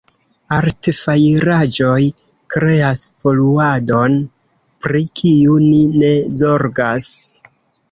Artfajraĵoj kreas poluadon, pri kiu ni ne zorgas.